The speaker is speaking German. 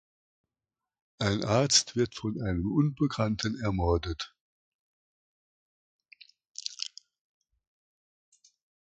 Ein Arzt wird von einem Unbekannten ermordet.